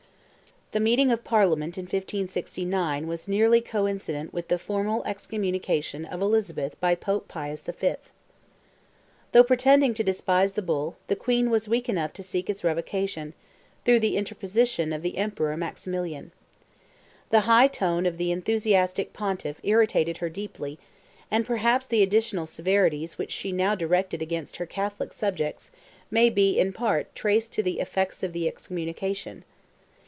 The meeting of Parliament in 1569 was nearly coincident with the formal excommunication of Elizabeth by Pope Pius V. Though pretending to despise the bull, the Queen was weak enough to seek its revocation, through the interposition of the Emperor Maximilian. The high tone of the enthusiastic Pontiff irritated her deeply, and perhaps the additional severities which she now directed against her Catholic subjects, may be, in part, traced to the effects of the excommunication.